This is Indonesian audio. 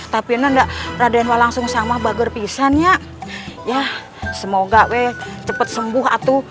tapi enggak raden walang sungsang mah bager pisangnya ya semoga weh cepet sembuh atuh